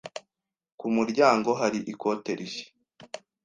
Ku muryango hari ikote rishya